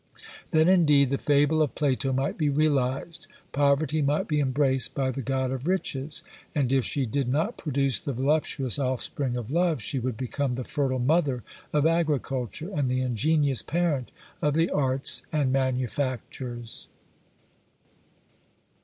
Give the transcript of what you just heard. Then, indeed, the fable of Plato might be realised: Poverty might be embraced by the god of Riches; and if she did not produce the voluptuous offspring of Love, she would become the fertile mother of Agriculture, and the ingenious parent of the Arts and Manufactures.